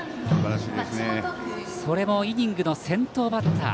それもイニングの先頭バッター。